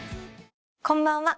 こんばんは。